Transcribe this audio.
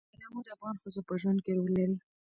تنوع د افغان ښځو په ژوند کې رول لري.